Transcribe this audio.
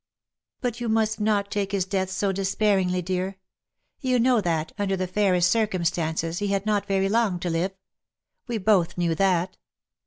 " But you must not take his death so despair ingly, dear. You know that, under the fairest circumstances, he had not very loag to live. We both knew that.